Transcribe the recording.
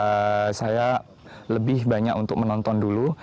tapi ini saya mau menunggu untuk menonton dulu